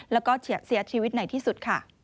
แล้วก็เสียชีวิตไหนที่สุด